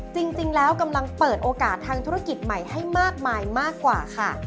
จริงแล้วกำลังเปิดโอกาสทางธุรกิจใหม่ให้มากมายมากกว่าค่ะ